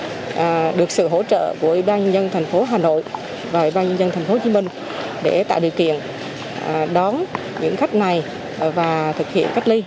chúng tôi cũng đã được sự hỗ trợ của ủy ban nhân dân thành phố hà nội và ủy ban nhân dân thành phố hồ chí minh để tạo điều kiện đón những khách này và thực hiện cách ly